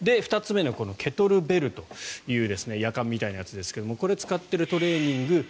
２つ目のケトルベルというやかんみたいなやつですがこれを使っているトレーニング。